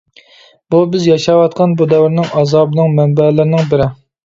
بۇ بىز ياشاۋاتقان بۇ دەۋرنىڭ ئازابىنىڭ مەنبەلىرىنىڭ بىرى.